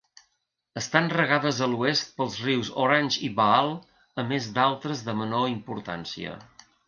Estan regades a l'oest pels rius Orange i Vaal, a més d'altres de menor importància.